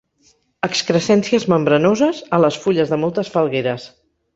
Excrescències membranoses a les fulles de moltes falgueres.